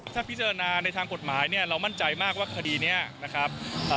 ถ้าพิจารณาในทางกฎหมายเนี่ยเรามั่นใจมากว่าคดีนี้นะครับ